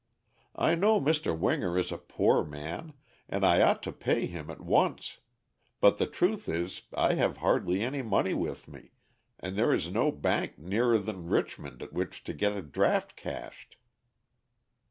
I know Mr. Winger is a poor man, and I ought to pay him at once, but the truth is I have hardly any money with me, and there is no bank nearer than Richmond at which to get a draft cashed."